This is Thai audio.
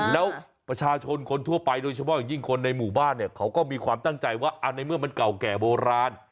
แล้วประชาชนคนทั่วไปโดยเฉพาะอย่างยิ่งคนในหมู่บ้านเนี่ยเขาก็มีความตั้งใจว่าในเมื่อมันเก่าแก่โบราณ